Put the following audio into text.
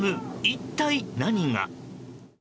一体何が？